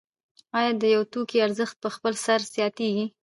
آیا د یو توکي ارزښت په خپل سر زیاتېږي